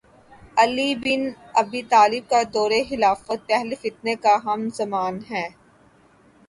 علی bin Abi Talib کا دور خلافت پہلے فتنے کا ہم زمان ہے